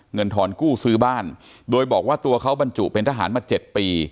ทอนกู้ซื้อบ้านโดยบอกว่าตัวเขาบรรจุเป็นทหารมา๗ปี